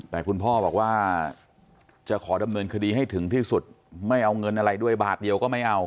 แต่คุณพ่อบอกว่าจะขอดำเนินคดีให้ถึงที่สุดไม่เอาเงินอะไรด้วยบาทเดียวก็ไม่เอา